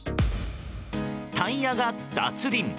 タイヤが脱輪。